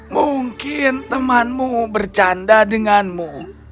mungkin temanmu bercanda denganmu